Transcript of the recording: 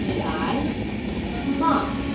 E. I. MOCK, MR.